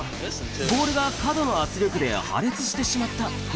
ボールが過度の圧力で破裂してしまった。